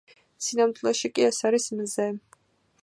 სინამდვილეში კი ეს არის მზე.